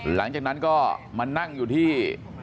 หลังจากนั้นก็มานั่งอยู่ที่